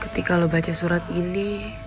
ketika lo baca surat ini